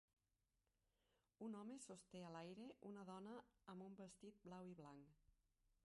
Un home sosté a l'aire una dona amb un vestit blau i blanc.